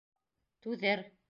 Түҙер!